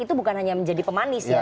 itu bukan hanya menjadi pemanis ya